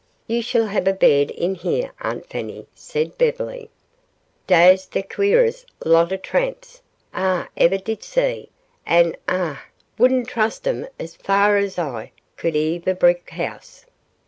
"You shall have a bed in here, Aunt Fanny," said Beverly. "Dey's de queeres' lot o' tramps Ah eveh did see, an' Ah wouldn' trust 'em 's fer as Ah could heave a brick house."